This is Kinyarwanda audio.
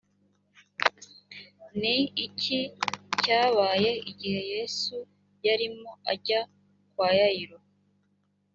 ni iki cyabaye igihe yesu yarimo ajya kwa yayiro